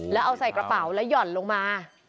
แล้วเอาใส่กระเป๋าแล้วหย่อนลงมา